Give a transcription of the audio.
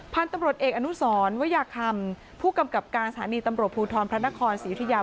พันธุ์ตำรวจเอกอนุสรวยาคำผู้กำกับการสถานีตำรวจภูทรพระนครศรียุธยา